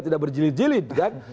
tidak berjilid jilid kan